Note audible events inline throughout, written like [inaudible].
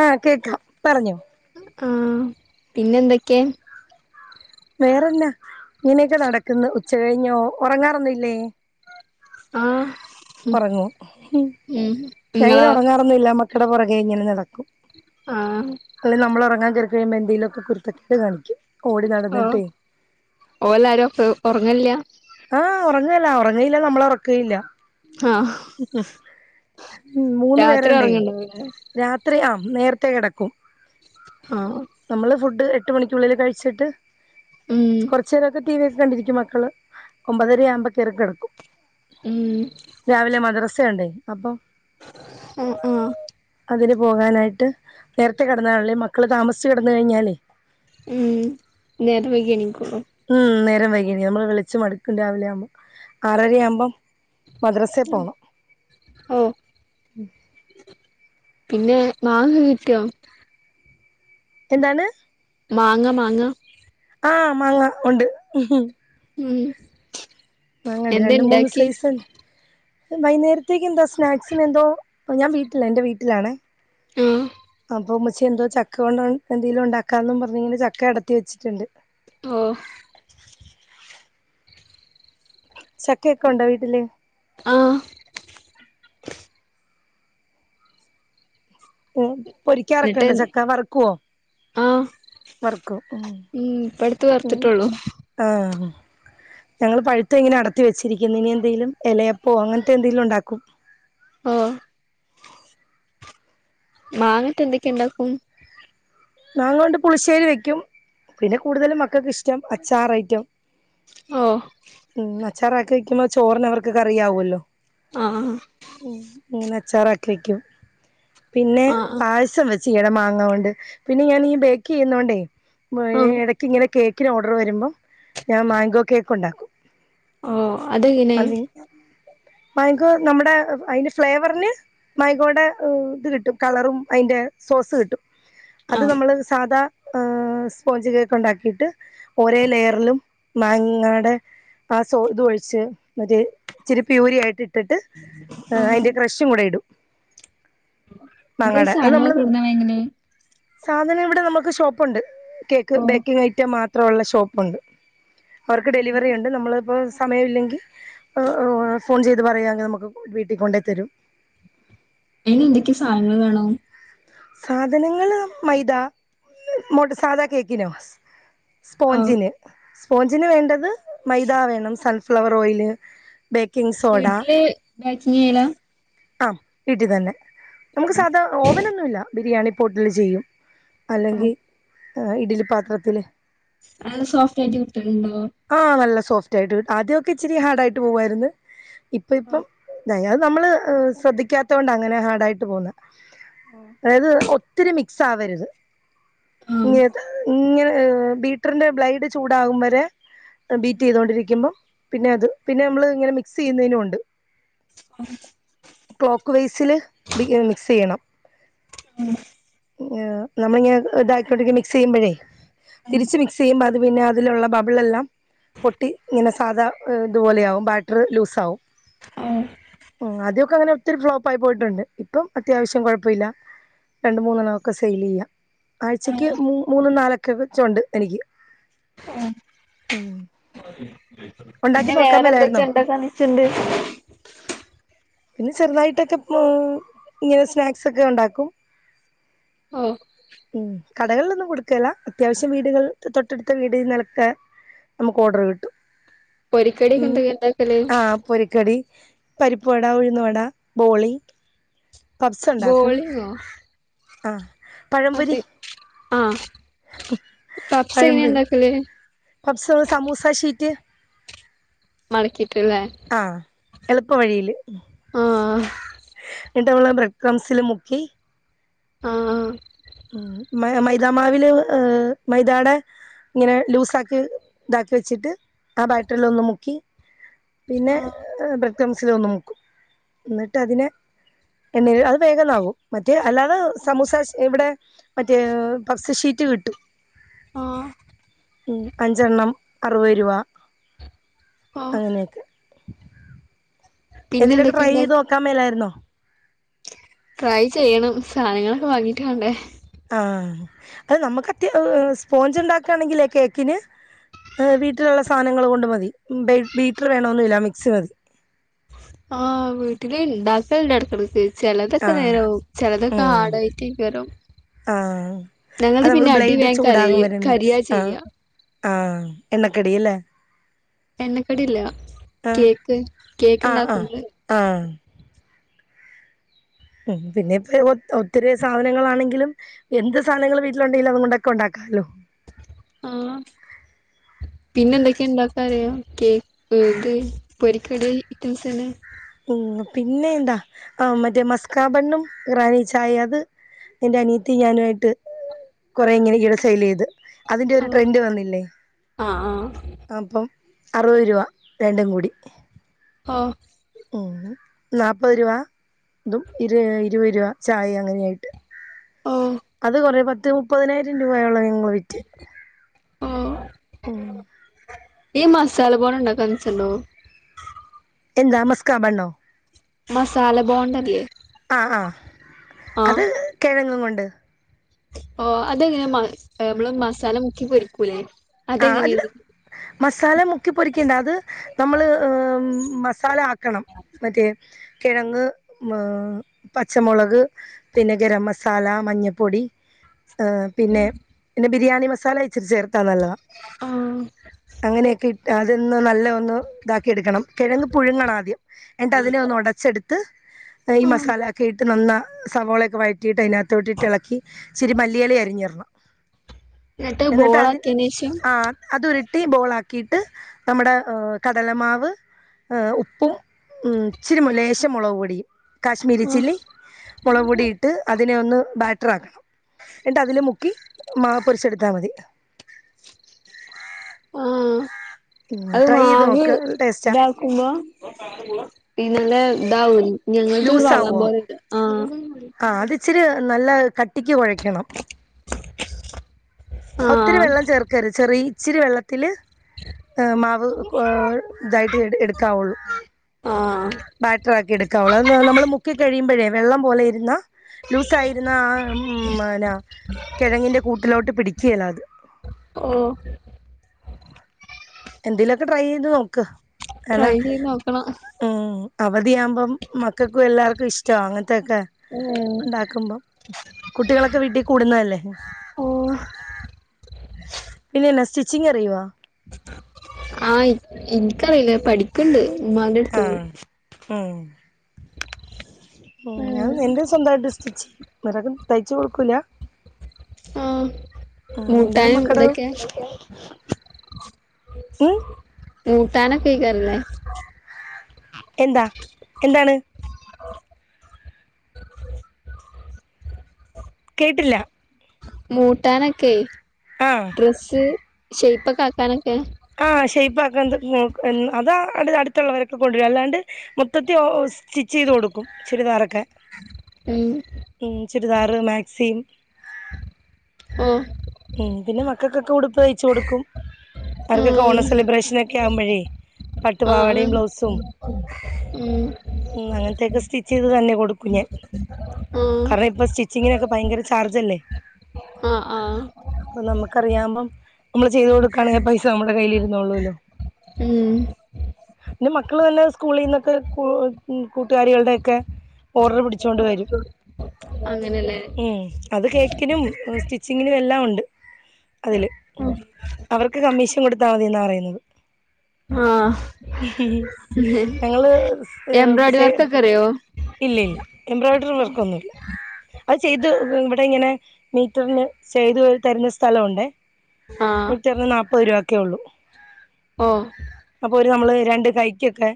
ആഹ് കേക്കാം പറഞ്ഞോ- ആഹ് പിന്നെന്തൊക്കെ? വേറെന്നാ ഇങ്ങനെയൊക്കെ നടക്കുന്നു ഉച്ച കഴിഞ്ഞോ ഉറങ്ങാറൊന്നും ഇല്ലേ? ആഹ്. ഒറങ്ങും ഉം ഞാഇങ്ങനെ നിങ്ങളോ ഒറങ്ങാറൊന്നും ഇല്ല മക്കടെ പൊറകെ ഇങ്ങനെ നടക്കും. ആഹ്. അല്ലെ നമ്മളൊറങ്ങാ കേറി കഴിയുമ്പോ എന്തേലൊക്കെ കുര്ത്തക്കേട് കാണിക്കും ഓടി നടന്നിട്ടേ ഓലാരോ ഫ് ഒറങ്ങേല്ല്യാ? ആഹ് ഒറങ്ങേല്ല ഒറങ്ങയില്ല നമ്മളൊറക്കേല്ല. ആഹ് മൂന്ന് രാത്രി പേരൊണ്ടേ ഒറങ്ങണ്ടാവുല്ലേ രാത്രി ആഹ് നേരത്തെ കെടക്കും. ആഹ്. നമ്മള് ഫുഡ് എട്ട് മണിക്കുള്ളില് കഴിച്ചിട്ട് ഉം. കൊർച്ചേരൊക്കെ ടി വി ഒക്കെ കണ്ടിരിക്കും മക്കള് ഒമ്പതര ആവുമ്പക്കേറിക്കെടക്കും. ഉം. രാവിലെ മദ്രസയ്ണ്ടേ അപ്പം ആഹ് ആഹ് അതിന് പോകാനായിട്ട് നേരത്തെ കെടന്നാല്ലല്ലേ മ ക്കള് താമസിച്ച് കെടന്ന് കഴിഞ്ഞാലേ ഉം നേരം വൈകി എണീക്കുള്ളു. ഉം നേരം വൈകിണ് നമ്മള് വിളിച്ച് മടുക്കും രാവിലെ ആവുമ്പം ആറരയാമ്പം മദ്രസെ പോണം ഓ പിന്നെ മാങ്ങ കിട്ടിയോ എന്താണ് മാങ്ങ മാങ്ങ ആഹ് മാങ്ങ ഉണ്ട് ഉം മാങ്ങാണ്ട് എന്താ രണ്ട് മൂന്ന് ഇണ്ടാക്കി സൈസുണ്ട് വൈകുന്നേരത്തേക്ക് എന്തോ സ്നാക്സിന് എന്തോ ഞാൻ വീട്ടിലാ എന്റെ വീട്ടിലാണ് ആഹ് അപ്പൊ ഉമ്മച്ചി എന്തോ ചക്ക കൊണ്ട് എന്തേലും ഉണ്ടാക്കാന്ന് പറഞ്ഞ് ഇങ്ങനെ ചക്ക അടത്തി വെച്ചിട്ടുണ്ട് ആഹ് ചക്കയൊക്കെ ഉണ്ടോ വീട്ടില് ആഹ് ഉം എന്നിട്ട് പൊരിക്കാറൊക്കെുണ്ടോ ചക്ക വറക്കുവോ ആഹ് ഉം ഇപ്പടുത്ത് ഉം വറത്തിട്ടേ ഒള്ളൂ ആഹ് ഞങ്ങള് പഴുത്തത് ഇങ്ങന അടത്തി വെച്ചിരിക്കുന്ന് ഇനി എന്തെങ്കലും ഇലയപ്പവോ അങ്ങനത്തെ എന്തെങ്കിലും ഉണ്ടാക്കും ഓഹ് മാങ്ങാ ഇട്ട് എന്തൊക്ക ഉണ്ടാക്കും മാങ്ങ കൊണ്ട് പുളിശ്ശേരി വെക്കും പിന്നെ കൂടുതലും മക്കൾക്ക് ഇഷ്ടം അച്ചാറ് ഐറ്റം ആഹ് ഉം അച്ചാറാക്കി വക്കുമ്പോ ചോറിന് അവർക്ക് കറിയാവൂല്ലോ ആഹ് മീ നച്ചാറാക്കി വക്കും പിന്നെ ആഹ് ആഹ് പായസം വെച്ച് ഇയെടെ മാങ്ങ കൊണ്ട് പിന്നെ ഞാനീ ബേക്കറി ചെയ്യുന്നോണ്ടേ ആഹ് ഇട ക്ക് ഇങ്ങനെ കേക്കിന് ഓർഡർ വരുമ്പം ഞാൻ മാംഗോ കേക്കുണ്ടാക്കും ഓ അതെങ്ങനെ മാങ്കോ നമ്മുടെ അതിന്റെ ഫ്ലേവറില് മാങ്കോടെ ഇത് കിട്ടും കളറും അതിന്റെ സോസ് കിട്ടും ആ അത് നമ്മള് സാധാ സ്പോഞ്ച് കേക്ക് ഉണ്ടാക്കിയിട്ട് ഓരേ ലെയറിലും മാങ്ങയുടെ ആ സോ ഇതൊഴിച്ച് മറ്റേ ഇച്ചിരി പ്യൂരി ആയിട്ട് ഇ ട്ടിട്ട് ആഹ് അതിന്റെ ക്രഷും കൂടെ ഇടും ഇവിടെ ഈ മാങ്ങാടെ അത് നമ്മള് സാധനങ്ങളൊക്കെ ഇടുന്ന എങ്ങനെ സാധനം ഇവിടെ നമുക്ക് ഷോപ്പുണ്ട് കേക്ക് ഓ ബേക്കിംഗ് ഐറ്റം മാത്രം ഒള്ള ഷോപ്പുണ്ട്. അവർക്ക് അങ്ങനെ ഡെലിവറി ഉണ്ട് നമ്മളിപ്പോ സമയമ ഇല്ലെങ്കിൽ ഫോൺ ചെയ്ത് പറയാമെങ്കിൽ നമുക്ക് വീട്ടിൽ കൊണ്ടേ തരും അയിന് എന്തൊക്കെയ സാധങ്ങങ്ങള് വേണം സാധനങ്ങള് മൈദ മട്ട സാധാ കേക്കിനോ ആഹ് സ്പോഞ്ചിന് സ്പോഞ്ചിന് വേണ്ടത് മൈദ വേണം സൺഫ്ലവർ ഓയില് ബേക്കിംഗ് സോഡ വീട്ടില് ബേക്കിങ്ങ് ചെയ്യലാ ആഹ് വീട്ടിൽ തന്നെ നമുക്ക് സാധാ ഓവനൊന്നുവില്ല ബിരിയാണി പോട്ടില് ചെയ്യും. ആഹ് അല്ലെങ്കിൽ ഏ ഇഡ്ഡലി പാത്രത്തില് അത് സോഫ്റ്റായിട്ട് കിട്ടലുണ്ടോ ആഹ് നല്ല സോഫ്റ്റായിട്ട് കി ആദ്യവൊക്കെ ഇച്ചിരി ഹാർഡ്‌ ആയിട്ട് പോവായിരുന്നു. ഇപ്പം ഇപ്പം ആഹ് ഇതായി അത് നമ്മള് ശ്രദ്ധിക്കാത്ത കൊണ്ടാ അങ്ങനെ ഹാർഡായിട്ട് പോന്നേ അതായത് ഒത്തിരി മിക്സ് ആവരുത് ഇങ്ങ ആഹ് ഇങ്ങനെ ബീറ്ററിന്റെ ബ്ലൈഡ് ചൂടാകും വരെ ബീറ്റ് ചെയ്തൊണ്ടിരിക്കുമ്പം പിന്നെ അത് പിന്നെ നമ്മൾ ഇങ്ങനെ മിക്സ് ചെയ്യുന്നതിനുമുണ്ട് [inaudible] ക്ലോക്ക് വെയ്സിൽ മിക്സ് ചെയ്യണം നമ്മളിങ്ങനെ ഇതാക്കോണ്ട മിക്സ് ചെയ്യുമ്പോഴേ തിരിച്ച് മി സ്യയുമ്പ അത് പിന്നെ അതിലുള്ള ബബിൾ എല്ലാം. പൊട്ടി ഇങ്ങനെ സാധാ ഇതുപോലെ ആകും ബാറ്റർ ലൂസാകും ആഹ് അതെ അങ്ങനെ ഒത്തിരി ഫ്ലോപ്പ ആയി പോയിട്ടുണ്ട് ഇപ്പം അത്യാവശ്യം കുഴപ്പല്ല രണ്ട് മൂന്നെണ്ണംമൊക്കെ സെയിൽ ചെയ്യാം ആഴ്ചക്ക് ആഹ് മൂന്ന നാലൊക്കെക്കെ ചുണ്ട് എനിക്ക് ഉം ഉണ്ടാക്കി പിന്നെ നോക്കാൻ മേലായിരുന്നോ വേറെന്താക്കെ ണ്ടൊക്കെണച്ചിണ്ട് [inaudible] പിന്നെ ചെറുതായിട്ടൊക്കെ ഇങ്ങനെ സ്നാക്സ് ഒക്കെ ഉണ്ടാക്കും ആഹ് ഉം കടകളിലൊന്നും കൊടുക്കല അത്യാവശ്യം വീടുകൾ തൊട്ടടുത്ത വീട് നിലക്ക് നമുക്കോർഡർ കിട്ടും പൊരിക്കടിയോക്കെ എന്തൊക്കെ ഇണ്ടാക്കല് പൊരുക്കടി പരിപ്പവട ഉഴുന്ന വട ബോളി പബ്സ് ഉണ്ടാക്കും ബോളിയൊ ആ പഴംപൊരി അതെ ആഹ് പഫ്സ എങ്ങനെയെ ഉണ്ടാക്കലേ പഫ്സ സമൂസ ഷീറ്റ് മടക്കിട്ടില്ലേ ആഹ് എളുപ്പ വഴിയില് ആഹ് എന്നിട്ടമ്മള് ബ്രഡ്ക്രംസില് മുക്കി ആഹ് ഉം മൈതാമാവിൽ മൈതാടെ ഇങ്ങനെ ലൂസാക്കി ഇതാക്കി വെച്ചിട്ട് ആ ബാറ്ററില്ല ഒന്ന് മുക്കി പിന്നെ ആഹ് ബ്രഡ്ക്രം സിൽ ഒന്ന് മുക്കും എന്നിട്ട് അതിനെ എണ്ണ അത് വേഗന്നാവും മറ്റേ അല്ലാതെ സമൂസ ഇവിടെ മറ്റേ പഫ്സ ഷീറ്റ് കിട്ടും ആഹ് അഞ്ചെണ്ണം അറുപത് രൂപ ആഹ് അങ്ങനെയൊക്കെ പിന്നെ എതിലക്കെ ടൈ ചെയ്ത് എന്തൊക്കെയുണ്ടാക്ക നോക്കാൻ മേലായിര്ന്നോ ട്രൈ ചെയ്യണം സാനങ്ങളൊക്കെ വാങ്ങീട്ട് വണ്ടേ ആഹ് അത് നമുക്ക് അത്യാ സ്പോഞ്ച് ഉണ്ടാക്കയാണെങ്കിൽ കേക്കിന് വീട്ടിലുള്ള സാധനങ്ങൾ കൊണ്ട് മതി ബീറ്റർ വേണമൊന്നുല്ല മിക്സി മതി ആഹ് വീട്ടില് ഇണ്ടാക്കൽണ്ട് ഇടക്കടുക്ക് ചിലതൊക്കെ ആഹ് നേരവും ചിലതൊക്കെ ഉം ഹാടായിറ്റി വരും ആഹ് അത് ഞങ്ങള്ത് നമ്മൾ പിന്നെ അടി ബ്ലേഡ് വേൻ കര ചൂടാകും വരെ മിക്സ് കരിയാ ആഹ് ചെയ്യ ആഹ് എണ്ണക്കടി ല്ലേ എണ്ണക്കടിയല്ല ആഹ് ആഹ് ആഹ് ആഹ് ഉം പിന്നെപ്പ [unintelligible] ഒത്തിരി സാധനങ്ങളാണെങ്കിലും എന്ത് സാധനങ്ങൾ വീട്ടിലുണ്ടെങ്കിലും അതുകൊണ്ടൊക്കെ ഉണ്ടാക്കാല്ലോ ആഹ് പിന്നെ എന്തൊക്കെയ ഉണ്ടാക്കാറ് കേക്ക് ഏത് പൊരിക്കടി ഐറ്റംസ് തന്നെ ഉം പിന്നെ എന്താ ആഹ് മറ്റേ മസ്കാബണ്ണും ഇറാനി ചായെ അത് എന്റെ അനിയത്തി ഞാനു ആയിട്ട് കൊറെ ഇങ്ങനെ ഇയെടെ സെയില് ചെയ്ത് അതിന്റെ ഒരു ആഹ് ട്രെൻഡ് വന്നില്ലേ ആഹ് അപ്പം അറുപത് രൂപ രണ്ടും കൂടി ആഹ് ഉം നാപ്പത് രൂപ ഇതും ഇരു ഇരുപത് രൂപ ചായ അങ്ങനെയായിട്ട് ഓ ഓ അത് കൊറേ പത്ത് മുപ്പതിനായിരം രൂപയൊള്ളം ഞങ്ങള് വിറ്റ് ഓഹ് ഉം ഈ മസാല [unintelligible] എന്താ മസ്കാബണ്ണോ മസാല ബോണ്ടല്ലേ ആഹ് ആഹ് അത് കേഴങ്ങും കൊണ്ട് ഓഹ് അതെങ്ങനെ നമ്മള് മസാല മുക്കി പൊരിക്കൂല്ലേ ആഹ് അല്ല മസാല മുക്കി പൊരിക്കേണ്ട അത് നമ്മള് ഏഹ് മസാല ആ ക്കണം മറ്റേ കെഴങ്ങ്, പച്ചമോളക് പിന്നെ ഗരം മസാല, മഞ്ഞപ്പൊടി ഏഹ് പിന്നെ പിന്നെ ബിരിയാണി മസാല ഇച്ചിരി ചേർത്താ നല്ലതാ ആഹ് അങ്ങനെയൊക്കെ ഇട്ട് അതെന്ന് നല്ല ഒന്ന് ഇതാക്കിയെടുക്കണം കെഴങ്ങ് പുഴുങ്ങണം ആദ്യം എന്നിട്ട് അതിനെ ഒന്ന് ഒടച്ചെടു ത്ത് ഈ ആഹ് മസാല ഒക്കെ ഇട്ട് നന്നാ സവോളയൊക്കെ വഴറ്റിയിട്ട് അതിനകത്തോട്ടിട്ട് എളക്കി ഇച്ചിരി മല്ലിയെല അരിഞ്ഞിടണം എന്നിട്ട് എന്നിട്ടാ അതി ബോളാക്കിയേനേഷം ആഹ് അതുരുട്ടി ബോളാക്കിട്ട് നമ്മടെ കടലമാവ് ആഹ് ഉപ്പും ഉം ഇച്ചിരി ലേശം മോളക് പൊടിയും കാശ്മീരി ആഹ് ചില്ലി മോളക് പൊടി ഇട്ട് അതിനെ ഒന്ന് ബാറ്ററക്കണം എന്നിട്ട് അതില് മുക്കി മാ പൊരിച്ചെടുത്താ മതി ആഹ് അത് ട്രൈ മാ ചെയ്ത് നോക്ക് ടേസ്റ്റാ [unintelligible] [unintelligible] ഇതാവും ഞങ്ങൾതൊരു വള്ളം പോലെണ്ട് ആഹ് ആഹ് അത് ഇച്ചിരി നല്ല കട്ടിക്ക് കൊഴക്കണം ഒത്തിരി ആഹ് വെള്ളം ചേർക്കരു ചെറി ഇച്ചിരി വെള്ള ത്തില് മാവ് ഇതായിട്ട് എടുക്കാവുള്ളു ആഹ് ബാറ്ററാക്കി എടുക്കാവോള്ളൂ നമ്മള് മുക്കി കഴിയുമ്പോഴേ വെള്ളം പോലെ ഇരുന്ന ലൂസായിരുന്ന ആഹ് ഉ മനാ കെഴങ്ങിന്റെ കൂട്ടിലോട്ട് പിടിക്കേല്ല അത് ഓഹ് എന്തേലൊക്കെ ട്രൈ ചെയ്ത് നോക്ക്‌ ട്രൈ കാരണം ചെയ്ത് നോക്കണം ഉം അവധിയാമ്പം മക്കക്കും എല്ലാർക്കും ഇഷ്ടാ അങ്ങനത്തൊക്കെ ഉം ഒണ്ടാക്കുമ്പോ കുട്ടികളൊക്കെ വീട്ടി കൂടുന്നല്ലേ ഓ പിന്നെന്നാ സ്റ്റിച്ചിങ് അറിയോ? ആഹ് ഇൻക്കറിയില്ല പഠി ക്ക്ണ്ട് ഇമ്മാൻ്റെ എ ആഹ് ഉം ഉം ഞാൻ എന്റെ സ്വന്തമായിട്ട് സ്റ്റിച്ച് ചെയ്യും അല്ലാതെ തയ്ച്ചു കൊടുക്കൂല ആഹ് ആഹ് എൻ്റെതും മൂട്ടാനും മക്കടതും കൂട്ടാനൊക്കെയ്ക്കാരലേ എന്താ എന്താണ് [inaudible] കേട്ടില്ല മൂട്ടാനൊക്കെ ആ ഡ്രസ്സ് ഷെയ്പ ഒക്കെ ആക്കാനൊക്കെ ആഹ് ഷെയ്പ്പാക്കാൻ അത് അടുത്തുള്ളവരൊക്കെ കൊണ്ടുവരും അല്ലാണ്ട് - മൊത്തത്തി സ്റ്റിച്ച് ചെയ്ത് കൊടുക്കും ചുരിദാറൊക്കെ ഉം ഉം ചുരിദാറ് മാക്സിം ഓഹ് ഉം പിന്നെ മക്കൾക്കൊക്കെ ഉടുപ്പ് തയ്ച്ചു കൊടുക്കും അവർക്ക് ഒക്കെ ഓണ ഉം സെലിബ്രേഷനൊക്കെ ആകുമ്പോഴേ പട്ടു ആ പാവാടയും ബ്ലൗസും ആ [unintelligible] ഉം അങ്ങൻത്തെക്കെ സ്റ്റിച്ച് ചെയ്ത് തന്നെ കൊടുക്കും ഞാൻ ആ കാരണം ഇപ്പ സ്റ്റി ചിങ്ങനൊക്കെ ഭയങ്കര ചാർജ്ജ് അല്ലെ? ആഹ് ആഹ് അപ്പൊ നമുക്കറിയാവ്പം നമ്മള് ചെയ്ത് കൊടുക്കുകയാണെങ്കിൽ ആ പൈസ ഇത് നമ്മുടെ കയ്യിലിരുന്നൊളുവല്ലോ ഉം ന്നെ മക്കള് തന്നെ സ്കൂളിന്നൊക്കെ കൂ കൂട്ടുകാരികളുടെ ഒക്കെ ഓർഡർ പിടിച്ചൊണ്ട് വരും അങ്ങനെല്ലേ ഉം അത് കേക്കിനും സ്റ്റിച്ചിങ്ങിനും എല്ലാം ഉണ്ട് അതില് ആഹ് അവർക്ക് കമ്മീഷൻ കൊടുത്താൽ മതി എന്നാ പറയുന്നത് ആ ഞങ്ങള് എംബ്രോയ്ഡറി സേ വർക്കൊക്കെ അറിയോ ഇല്ല ഇല്ല എംബ്രോയിഡറി വർക്കൊന്നുമില്ല അത് ചെയ്ത് ഇവിടെ ഇങ്ങനെ മീറ്റർന്റെ ചെയ്ത് തരുന്ന സ്ഥലംഉണ്ടേ ആ ലിറ്ററിന് നാല്പ്പത് രൂപ ഒക്കെ ഉള്ളൂ ഓ അപ്പൊ ഒരു നമ്മള് രണ്ട് കൈക്കൊക്കെ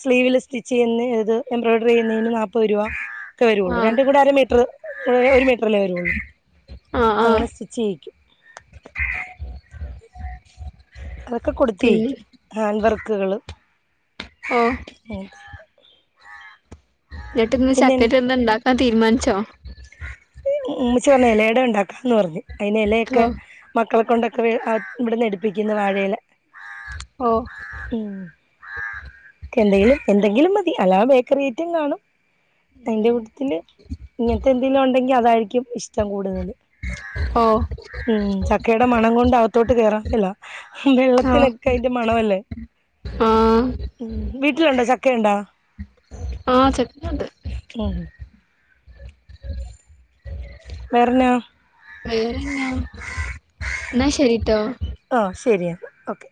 സ്ലീവില് സ്റ്റിച്ച് ചെയ്യുന്നത് എംബ്രോയ്ഡറി ചെയ്യുന്നതിന് നാപ്പത് രൂപ ഒക്കെ വരുുള്ളൂ ആ രണ്ടും കൂടെ അര മീറ്ററ്രെ ഒരു മീറ്ററല്ലേ വരൊള്ളൂ ആ ആ അങ്ങനെ സ്റ്റിച്ച് ചെയ്യിക്കും. അതൊക്കെ പിന്നെ കൊടുത്തയക്കും ഹാൻഡ് വർക്കുകൾ ഓ എന്നിട്ടിന്ന് പിന്നെ ചക്കറ്റ് എന്ത ഇണ്ടാക്കാൻ തീരുമാനിച്ചോ? ഉമ്മിച്ചി പറഞ് എലയട ഉണ്ടാക്കാന്ന് പറഞ് അതിന് ഓ എലയൊക്കെ- മക്കളെ കൊണ്ടൊക്കെ ഇവിട്ന്ന് എടിപ്പിക്ക്യുന്നു വാഴയില. ഓ ഉം എന്തേലും എന്തെങ്കിലും മതി അല്ലാ ബേക്കറി ഐറ്റം കാണും അതിന്റെ ഉം കൂട്ടത്തില് ഇങ്ങനത്തെ എന്തെങ്കലും ഉണ്ടെങ്കിൽ അതായിരിക്കും ഇഷ്ടം ച്ചം കൂടുതല് ഓ ഉം ചക്കയുടെ മണം കൊണ്ട് അകത്തോട്ട് കേയറാം [inaudible] ല്ല ആ വെള്ളത്തിനൊക്കെ അയ്ന്റെ മണവല്ലേ ആ ഉം വീട്ട്ലുണ്ടോ ചക്കയുണ്ടോ ആഹ് ചക്കണ്ട് ഉം ഹ് വേറന്നാ വേറന്നാ ന്നാ ശെരിട്ടോ ആഹ് ശെരിയന്നാ ഒക്കെ